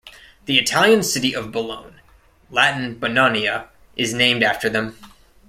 The Italian city of Bologne, Latin "Bononia" is named after them.